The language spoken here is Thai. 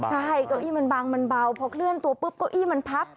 ใช่เก้าอี้มันบังมันเบาพอเคลื่อนตัวปุ๊บเก้าอี้มันพับ